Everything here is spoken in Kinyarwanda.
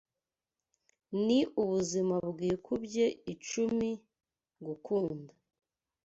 Ni ubuzima bwikubye icumi, gukunda